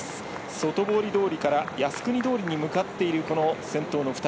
外堀通りから靖国通りに向かっているこの先頭の２人。